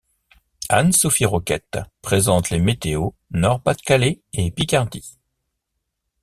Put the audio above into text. Anne-Sophie Roquette présente les météos Nord Pas-de-Calais et Picardie.